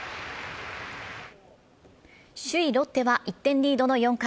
首位・ロッテは１点リードの４回。